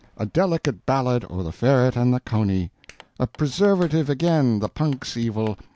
A delicate ballad o' the ferret and the coney. A preservative again' the punk's evil.